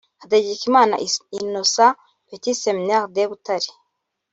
Hategekimana Innocent (Petit Seminaire de Butare)